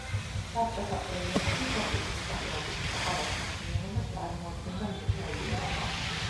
საბჭოთა პერიოდში სოფლის მოსახლეობის მთავარ საქმიანობას წარმოადგენდა მეჩაიეობა.